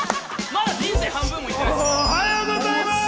まだ人生半分も行ってないです。